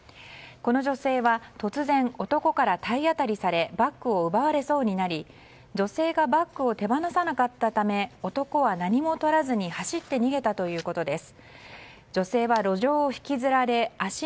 この女性は突然男から体当たりされバッグを奪われそうになり女性がバッグを手放さなかったため男は何もとらずに走って逃げたということです。